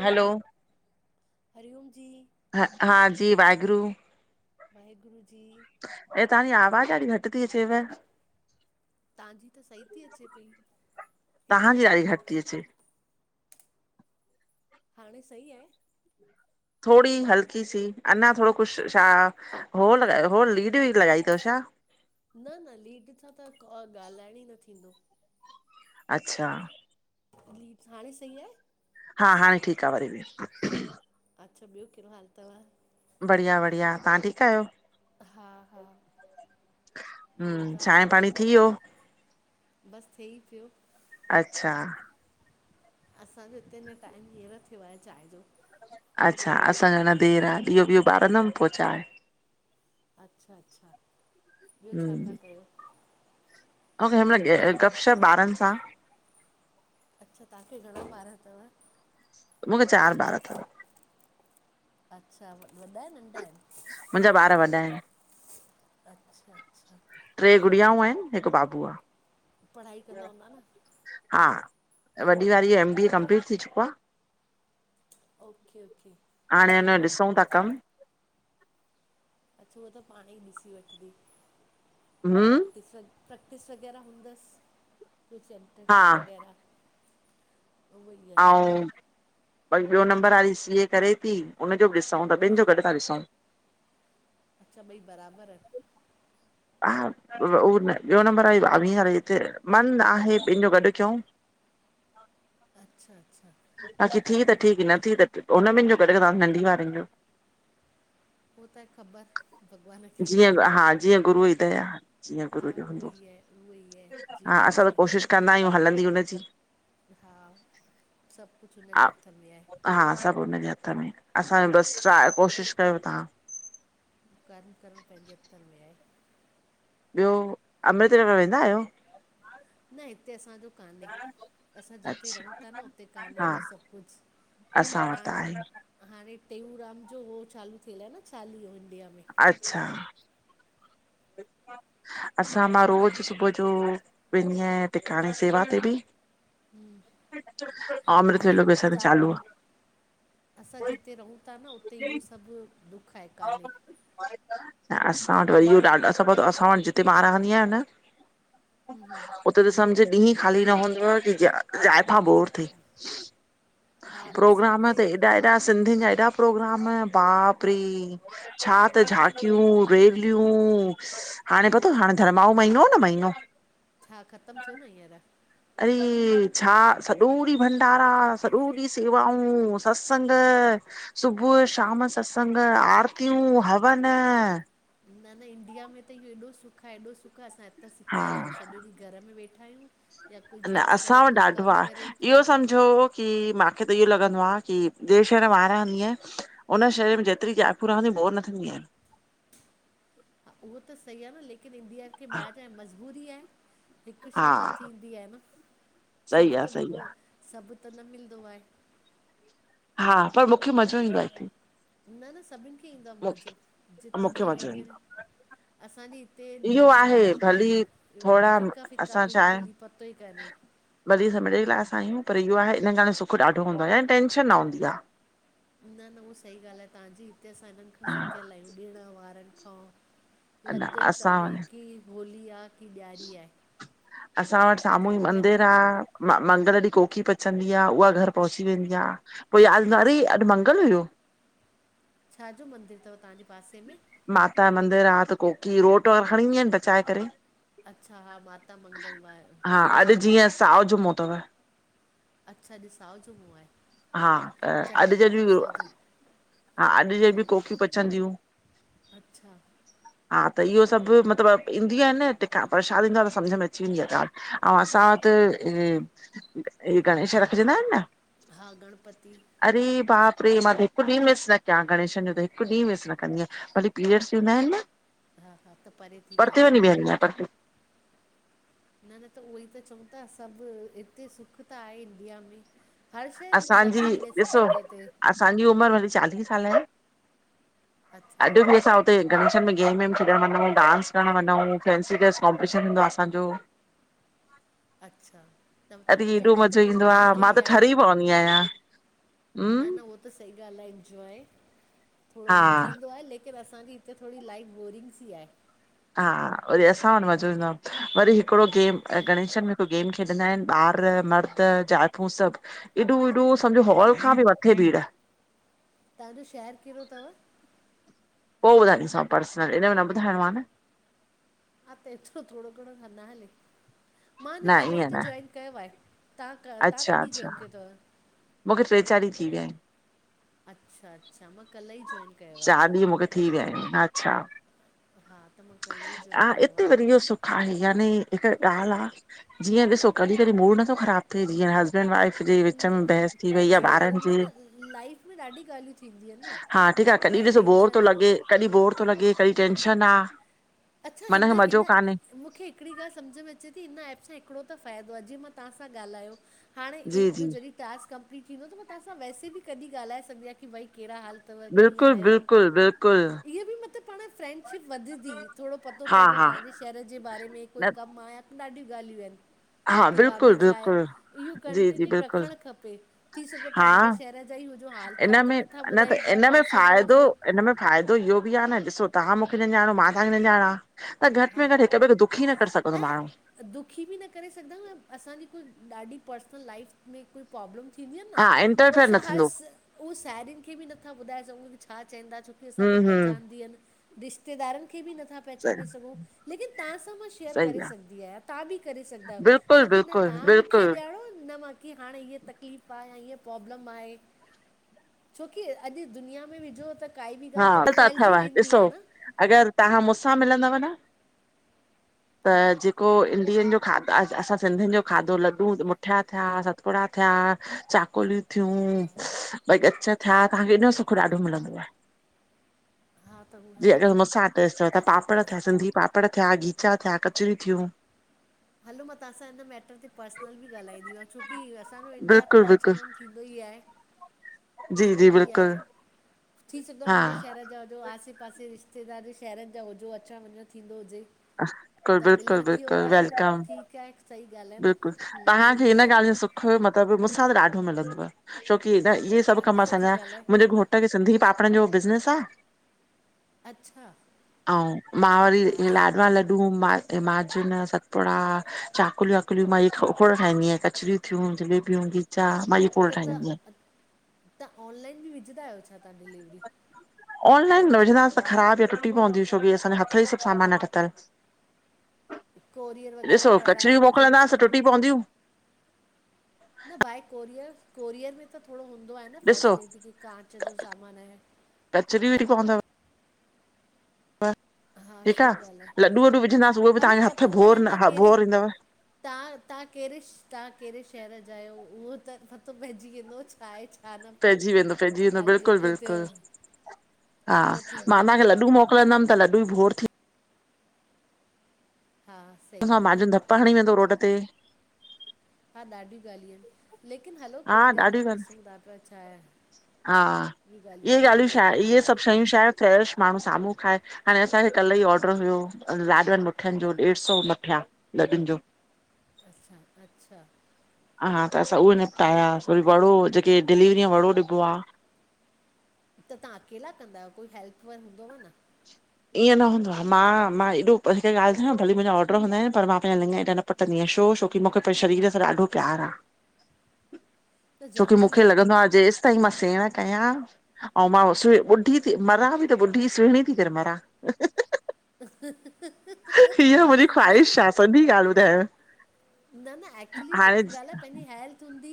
हलो हरिओम जी ह हा जी वाहेगुरु वाहेगुरु जी ऐं तांजी आवाज ॾाड़ी घटि ती अचेव। तांजी त सही थी अचे पई हिक तव्हांजी मिंट। ॾाढी घटि थी अचे हाणे सही आहे। थोड़ी हल्की सी अञा थोड़ो कुछ छा हो लॻायो हो लीड वीड लॻाई तव छा। ह न न लीड सां त ॻाल्हाइण ई न थींदो। अच्छा हाणे सही आहे। हा हाणे ठीकु आ वरी बि। अच्छा ॿियो कहिड़ो हालु थव बढ़िया बढ़िया तां ठीकु आहियो। हा हा ॿियो हम तव्हां चांहि छा पाणी थी वियो? थेई पियो अच्छा असांजे हिते अञ टाइम हींअर थियो आहे चांहि जो अच्छा असांजो अञा देरि आहे ॾियो ॿियो ॿारंदमि पो चांहि। अच्छा अच्छा, ॿियो छा पा हम्म कयो? [unintelligible] गपशप ॿारनि सां अच्छा तव्हां खे घणा ॿार थव? मूंखे खे चार बारह थव अच्छा वॾा नंढा आहिनि? मुंहिंजा ॿार वॾा आहिनि अच्छा अच्छा ॿियाऊं आहिनि, हिकु बाबू आ। पढ़ाई कंदा हूंदा न? वॾी वारी एम बी ए कंपलीट थी चुको आ ओके ओके हाणे अञां जो ॾिसूं था कम अच्छ हूअ त पाणी ई ॾिसी वठंदी हम्म प्रैक्टिस प्रैक्टिस वग़ैरह हूंदसि कोई हा चैम्पियनशिप वग़ैरह उहो ई आहे आऊं वरी ॿियो नंबर वारी सीए करे थी उनजो बि ॾिसूं ॿनि जो गॾु था ॾिसूं अच्छा ॿई बराबरि आहिनि हा उहो ॿियो नंबर आहे वीह साल जी त मन आहे ॿिनी जो गॾु कयूं [inaudible] अच्छा अचछा बाक़ी थी त ठीकु न थी त हुन ॿिन जो गॾु तव्हां नंढी वारनि जो हू त ख़बर भॻवान खे उहो त आ जीअं हा गुरू जो उहो हूंदो ई आहे उहो ई आहे हा जीअं असां त हुजे कोशिशि कंदा आहियूं हलंदी हुनजी हा सभु कुझु हुनजे हथ में आहे। हा सभु हुनजे हथ में असां बसि ट्रा कोशिशि कयूं था कर्म करणु पंहिंजे हथ में आहे ॿियो अमृत वेला वेंदा आहियो? न हिते असांजो कान्हे असां जिते अच्छा रहूं था न हुते कान्हे हा इहो सभु कुझ असां वटि त आहे टेऊराम जो उो चालू थियल आहे न चालीहो? इंडिया में अचछा [unintelligible] असां मां रोज़ सुबुह जो वेंदी आहियां टिकाणे सेवा ते बि अमृत ऐं वेलो असां जो जात चालू आ असां जिते रहूं था न उते इहो सभु द [unintelligible] असां वटि वरी इहो ॾाढो अ सभां असां वटि जिते मां रहंदी आहियां न उते त सम्झ ॾींही ख़ाली न हूंदो आ [inaudible] मथां बोर थी हा असां प्रोग्राम हिते ते एॾा एॾा सिंधियुनि जा एॾा प्रोग्राम बाप रे छा त झाकियूं! विल्यूं हाणे पतो हाणे धर्माऊ महीनो हा न महीनो छा ख़तमु थियो न हींअर? अड़े छा सॼो ॾींहुं भंडारा सॼो ॾींहुं सेवाऊं सत्संग [unintelligible] सुबुह शाम सतसंग आर्तियूं हवन न न इंडिया में त इहो एॾो सुखु आहे एॾो सुखु असां हितां हा सिकयल आहियूं सॼो ॾींहुं घर में वेठा आहियूं या कोई न जॉब असां करे वटि थो ॾाढो कमु आ करे थो इहो सम्झो की मां मूंखे त इहो लॻंदो आहे की ॿे शहर वां रहंदी आहिय उन शहर में जेतिरी झाकयूं रहंदी बो न थींदयूं आहनि। हा उहो त सही आहे न लेकिन इंडिया खे ॿाहिरि मजबूरी आहे हिकु हा शइ ही हथ ईंदी आ न सही सभु आहे त सही भॻवान आहे सभु त न मिलंदो आहे हा पर मूंखे मज़ो ईंदो हिथे न न सभिनि खे ईंदो आहे मज़ो जित मूंखे जीअं मज़ो ईंदो हिडी असांजी ते आहे ॾण इहो आहे वारा इअं भली ई थोरा फिका फिका असां छा आहे बिल्कुल ई पतो ई काने भली [unintelligible] जे लाइ असां आहियूं पर इहो आहे हिन ॻहि सुख ॾाढो हूंदो आहे या टेंशन न हूंदी आ न न उहा सही ॻाल्हि आहे तव्हां जी हिते असां हिननि खां हा सिखियल आहियूं ॾिण वारनि खां। न लॻदो ई असां काने की होली आ। असां वट साम्हूं हिते ई पंहिंजो मंदिर आ घर में म मंदिर ॾींहं को की पचंदी आ उहा घर पोहुची वेंदी आ पो यादि न अरे अच्छा अॼु मंगल हुयो। छा जो मंदरु तव तव्हांजे पासे में? माता मंदिर आह त कोकी रोट खणी ईंदयू आहिनि पचाए करे। अच्छा हा माता मंगलवार हा अॼु जीअं साओ जमो थव अच्छा अॼ साओ जुमो आहे हा चंड अॼु खां जॾहिं पो बि साओ जुमो। हा अॼु जे बि कोकियूं पचंदियूं। अच्छा। हा त इहो सभु मतलब ईंदियूं आहिन न टिका परशाद ईंदो आ न सम्झ में अची वेंदी आ ॻाल्हि ऐं असां वटि ऐ ऐ ऐ ही गणेश रखजंदा आहिन न। हा गणपती। अरे बाप मां त हिक ॾींहुं मिस न कयां गणेशनि जो त हिक ॾींहुं मिस न कंदी आहियां भली पीरियड्स थींदा आहिन न हा हा त परे थी परते करे वनी विहंदी आयां परते। न न त उहोई त चऊं था सभु हिते सुख त आहे इंडिया में। हर शइ असांजी नथी मिले सभु ॾिसो जॻह ते असांजी उमर वरी चालीह साल आहे। अॼ अच्छा बि असां हुते गणेशन में गेम वेम खेॾण वञूं डांस करण वञफऊं फैंसी ड्रेस कॉम्पिटिशन हूंदो आ असांजो। ? अरे एॾो त मज़ो थोरी ईंदो आ वधीक मां ई त आहे ठरी पवंदी आहियां। न हम्म न उहो त सही ॻाल्हि आएभ इंजॉय। थोङो हा थींदो आहे लेकिन असांजी हिते थोड़़ी लाइफ बोरिंग सी आए। हा वरी असां वट मज़ो ईंदो आ वरी हिकड़ो गेम गणेश में हिक गेम खेॾंदा आहिन ॿार मर्द ज़ाइफ़ूं सभ एॾो एॾो सम्झो हॉल खां बि मथे भीड़। तांजो शेहर केड़ो थव? पो ॿुधाईंदसांव पर्सनल इन में न ॿुधाइणो आ न। हा त एतरो थोड़ो घणो न हले मां अना न कल ई ईअं त न जाॅइन कयो आए। तां क तां कॾी जॉइन कयो थव? मुखे टे चार ॾींहं थी विया आहिन। अचछा अच्छा मां कल ई जोइन कयो आहे। चार ॾींहं मूंखे थी विया आहिनि अच्छा हा त मां कल्ह ई जॉइन आ कयो इते आहे वधी सुख आहे यानी हिक ॻाल्ह आ जीअं ॾिसो कॾीं कॾीं मूड नथो ख़राब थिए जीअं हसबैंड वाइफ जे विच न में बहस। वरी या कुझु बि ॿारन जे न न लाइफ में ॾाढी ॻाल्हियूं थींदियूं आहिनि न हा ठीक आ कॾीं काई ॾिसो बोर तो टेंशन आहे। लॻे कॾीं बोर तो लॻे कॾीं टेंशन आ। अच्छा मन हिन खे हिन मज़ो कान्हे मुखे हिकड़ी ॻाल्हि सम्झ में अचे ती हिन एप सां हिकड़ो त फ़ाइदो आए जीअ मां तां सां ॻाल्हायो हाणे इ जी जी इहो जॾहिं टास्क कंप फ्री थींदो त मां तव्हां सां वैसे बि कॾीं ॻाल्हाए सघदी आयां क भई केड़ा हाल? अथव कीअं बिल्कुल आहियो बिल्कुल बिल्कुल। इहा बि मतिलबु पाण फ्रैंडशिप वधदी थोड़ो पतो हा पएंदो हा तां जे शेहर जे बारे में कोई न कम आ। ॾाढियूं ॻाल्हियूं आहिन। हा की भाभी बिल्कुलु छाए? बिल्कुलु इहो जी जी कंटिन्यू बिल्कुलु रखण खपे थी सघो था मुंहिंजे शहर ज इनमें न त इनमें पासे जा फ़ाइदो हुजो इनमें फ़ाइदो इहो बि आ न ॾिसो तां मुखे न ञाणो मां तांखे न ञाणा। त घटि हा में घटि हिक ॿिए खे दुखी न करे सघंदो माण्हू। ऐं दुखी बि न करे सघंदा न असांजी कोई ॾाढी पर्सनल लाइफ में कोई प्रॉब्लम थिंदयूं आहिन हा न इंटरफेयर असां थींदो ऊ साहेड़ियुन खे बि नथा ॿुधाए सघूं छा चएंदा छोकी असां हूं हूं पचानदी अन रिश्तेदारनि खे बि नथा स पहचाने सघूं। लेकिन तव्हांसां मां शेयर सही करे आहे सघंदी आहियां, तव्हां बि करे सघंदा आहियो, बिल्कुलु छोकी न बिल्कुलु तव्हां मूंखे बिल्कुलु ॼाणो न की हाणे हीअ तकलीफ़ आहे हीअ प्रॉब्लम आहे छोकी, अॼु दुनिया में विझो त काई बि हा, ॻाल्हि त अथव फैलिजी वेंदी ॾिसो, आहे न अगर तव्हां मूंसां मिलंदव न हा अं जेको ॾिहनि जो खाधा असां सिंधियुनि जो खाधो लॾूं मुठिया थिया सतपुड़ा थिया चाकोलियूं थियूं भई ॻच थिया तांखे एॾो सुख ॾाढो मिलंदव। हा त हू जी आहे न अगरि मुसां अटैच थिया त पापड़ थिया सिंधी पा पापड़ थिया, खीचा थिया, कचर थियूं हलो मां तव्हांसां हिन मैटर ते पर्सनल बि ॻाल्हाईंदी मां, छोकी असांजो इंडिया बिल्कुलु थोरो बिल्कुलु अचणवञि थींदो ई आहे बि आहे, जी थींदो जी बि आहे, बिल्कुलु थी सघंदो आ हा मुंहिंजे शहर जा जो आसे पासे रिश्तेदार शहरनि जा हुजो अचणु वञणु थींदो हुजे [unintelligible] त मिलणु थियो त वेलकम ठीकु आहे सही ॻाल्हि आहे न बिल्कुलु, हम्म, उहो तव्हांखे बि हिन आहे न ॻाल्हि जो सुख मतलबु मूंसां त ॾाढो छो मिलंदो आहे, छोकि इध इहे सभ हलो कम असां सुठी जा ॻाल्हि आहे मुंहिंजे घोट खे सिंधी पा पडनि जो बिज़नेस आ, अच्छा अऊं मां वरी हा ला लॾू, माजून, सतपुड़ा, चाकलियूं-वाकुलियूं मां इहे खोड़ ठाहिंदी आयां, कचरियूं थियूं [unintelligible] खोड़ त ठाहींदी तव्हां, तव्हां ऑनलाइन बि विझंदा आहियो छा तव्हां डिलीवरी? ऑनलाइन न विझंदासीं त ख़राबु या टुटी पवंदियूं छोकी असांजो हथ ई सभु सामान आ ठथल कोरियर वग़ैरह ॾिसो, कराइणो कचरियूं हुजे मोकिलंदासीं त टुटी पवंदियूं। न बाए कोरियर कोरियर में त थोड़ो हूंदो आहे न ॾिसो फैसिलिटी की कांच जो सामान आहे [unintelligible] बस हा ठीकु सही आ, ॻाल्हि आहे लॾू वॾू विझंदासीं उहे बि हलो तव्हांखे हथ पतो बोर कान्हे तव्हां न कहिड़े बोर ईंदव तव्हां, तव्हां कहिड़े तव्हां कहिड़े शहर जा आहियो उहो त पतो पइजी वेंदो छा आहे छा न पोइ पइजी वेंदो, पइजी वेंदो, हल बिल्कुलु जेको थियो बिल्कुलु हा, पोइ मां थींदो तव्हांखे लॾू मोकिलींदमि त लडॾू बोर थी हा सही हुन सां ॻाल्हि आहे माजून धपु हणी वेंदो रोड ते हा ॾाढियूं ॻाल्हियूं आहिनि, लेकिन हलो हा कोई ॻाल्हि न आहे, ॾाढियूं ॾिसूं था पिया छाहे हा इहे ॻाल्हियूं छा, आहिनि हा इहे सभु शयूं छा कुझु माण्हू साम्हूं खाए, हाणे असांखे कल्ह ई ऑडर हुयो लाॾवनि मुठियनि जो ॾेढ सौ मुठिया लॾूनि जो अच्छा अच्छा हा हा, त असां उहे न निपटायास वरी [unintelligible] कि डिलीवरीअ में वड़ो ॾिबो आ त तव्हां अकेला कंदा आहियो, कोई हेल्प वन हूंदव न ईअं न हूंदो आहे मां मां एॾो हिकु ॻाल्हि ॿुधायंव, भले मुंहिंजा ऑडर हूंदा आहिनि पर मां पंहिंजा लिंघ ऐॾा न पटंदी आहियां छो छोकी, मूंखे पंहिंजे शरीर सां ॾाढो प्यार आ [inaudible] छोकी ज़रूरी मूंखे आहे लॻंदो आ जैस ताईं मां सेण कयां अऊं मां ॿुढी थी मरां बि त ॿुढी सुहिणी थी करे मरां। हि हि हि हीअ मुंहिंजी न ख़्वाहिश न सॼी ॻाल्हि ॿुधायांव न न एक्चुली हाणे हिकु ॻाल् आ पंहिंजी हेल्थ हूंदी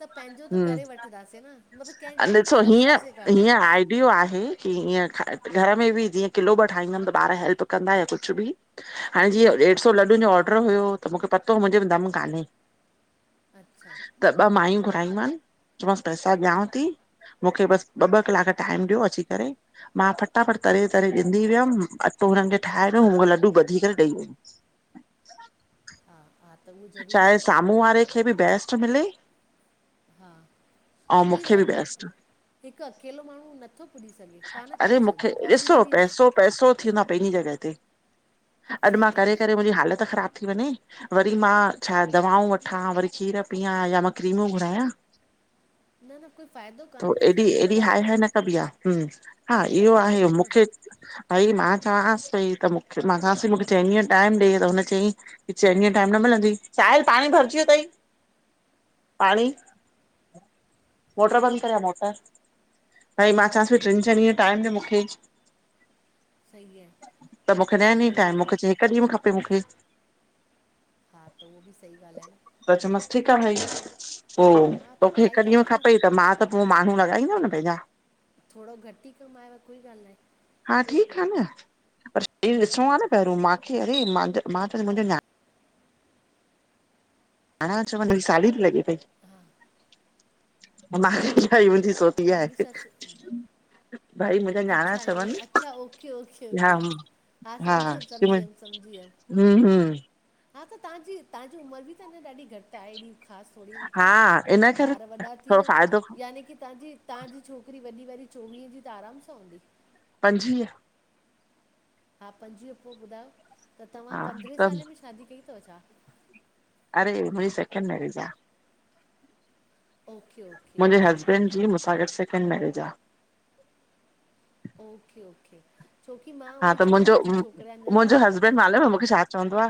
त पंहिंजो त हम्म, करे वठंदासीं न मतिलबु कंहिं ॻाल्हि ॾिसो, हीअं तरसंदासीं कान हीअं आइडियो आहे की हीअं घर में बी जीअं किलो ॿ ठाहींदम त ॿार हेल्प कंदा कुझु बि हाणे जीअं ॾेढ सौ लॾुनि जो ऑडर हुयो त मूंखे पतो मुंहिंजे दम कान्हे अच्छा त ॿ मायूं घुरायूं मान [unintelligible] ॾियांव थी, मूंखे बस ॿ ॿ क्लास टाइम ॾियो अची करे मां फटाफट तरे तरे ॾ कठी वियमि अटो हुननि खे ठाहे ॾिनम हू लॾूं ॿधी करे ॾेई वई। [inaudible] त उहो ज़रूरी चाहे आहे न साम्हूं वारे खे बि बैस्ट मिले हा ऐं उहो ई मूंखे न बि हिकु बैेस्ट हिकु अकेलो माण्हू नथो पुॼी सघे कान अरे करे मूंखे, सघंदो ॾिसो पॉसिबल ई न आहे पैसो पैसो थींदो आ पंहिंजी जॻह ते अॼु सही मां करे ॻाल्हि आहे करे मुंहिंजी हालत ख़राब थी वञे वरी मां छा दवाऊं वठां, वरी खीर पीयां मां क्रीमूं घुराया न न कुझ त एॾी हएॾी हाय हाय न कबी आहे हम हा इहो शरीर त आहे वियो न मूंखे भई मां चवांसि पई त मूंखे मां चांसि पई त मूंखे चइनिह जो टाइम ॾे त हुन चई की चइनि टाइम न मिलंदई साहिल पाणी भरजी वियो तई। पाणी मोटर हा बंद करे आ मोटर। भई मां चवांसि पई टिनि चैंन ॾींहंनि जो टाइम ॾे मूंखे सही आहे त मूंखे न ॾिनई त उहे टाइम मूंखे चई हिकु ॾींहुं में खपे मूंखे हा त उहो बि सही ॻाल्हि आहे न त चैमांसि ठीकु आ भई पो हा त तोखे काई हिकु ॾींहुं ॻाल्हि जो न आहे न खपे त मां त पो माण्हू लॻाईंदम न पंहिंजा। थोरो घटि ई कमायोव कोई ॻाल्हि न आहे। हा ठीकु आहे न [inaudible] इहो ॾिसणो आहे न पहिर मां चरी मां त, मां त मुंधियल आं अञा चवनि मुंजी साली बि लॻे पई हा [inaudible] चई मुंजी थोरो पी आय तव्हांजी ससु भई मुंहिंजा न्याणा अच्छा ईअं चवनि अच्छा ओके ओके [inaudible] हा ओके हा सम्झी ह वियमि सम्झी वियमि सम्झी वियमि [inaudible] हं हं हा त तव्हांजी तव्हांजी उमिरि बि अञ ॾाढी घटि आहे हेॾी। ख़ासि थोरी न हा इन तव करे ॿार वॾा थोरो फ़ाइदो थियव यानी की तव्हांजी तव्हांजी छोकिरी वॾी वारी चोवीहं जी त आरामु सां हूंदी। पंजवीह हा पंजवीह, पो ॿुधायो त तव्हां हा पंद्रहें त साले में शादी कई अथव छा? अरे मुंहिंजी [inaudible] न ॾिसजां। ओके ओके मुंहिंजे तॾहिं हसबैंड जी तॾहिं मूंसा गॾु सेकेंड मेरेज आ। ओके ओके छोकी मां हा उहो ई त चवां मुंहिंजो मुंहिंजे छोकिरे जा अञा मुंहिंजो ॿार नंढा हस्बैंड मालूम आहे आहिनि मूंखे हा। छा चवंदो आ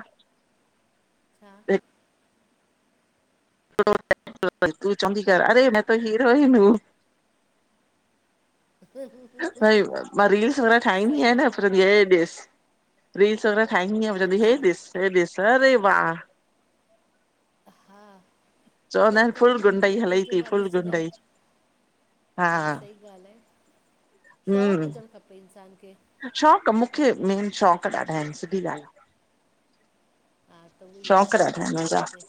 हा [inaudible] तूं चवंदी कर अड़े मैं तो हीरोइन हूं। [unintelligible] भई मां रील्स वग़ैरह ठाहींदी आहियां सही न फिर [inaudible] रील्स वग़ैर ठाईंदी अयां [inaudible] हे अच्छा दिस हे दिस अरे वा। हा त चवंदा आहिनि हिकु फुल मूंखे बि गुंडई हलई मोकिलिजो थी मां फुल ॾिसंदमि गुंडई। हा सही ॻाल्हि आहे शौंकु हम्म हुजणु खपे इंसान खे। शौक़ु मूंखे मेन शौक़ ॾाढा आहिनि सिधी ॻाल्हि आ। हा त उहो ई आहे शौंक ॾाढा शौक़ु आहिन हुजणु मुंहिंजा, खपे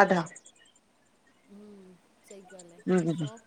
ॾाढा। हम्म सही ॻाल्हि आहे हम्म शौंक